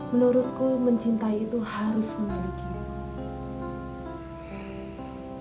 menurutku mencintai itu harus memiliki